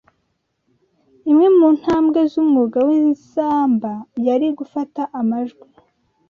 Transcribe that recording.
Imwe mu "ntambwe" z'umwuga w'inzamba yari gufata amajwi